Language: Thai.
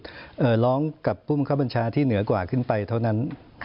เหมือนร้องกับปุ้มข้าวบรรชาที่เหนือกว่าขึ้นไปเท่านั้น